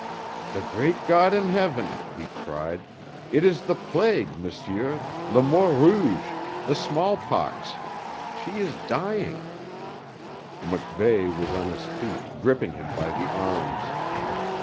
"The great God in heaven!" he cried. "It is the plague, m'sieur le mort rouge the small pox! She is dying " MacVeigh was on his feet, gripping him by the arms.